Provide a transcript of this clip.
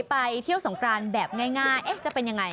ไปเที่ยวสงกรานแบบง่ายจะเป็นยังไง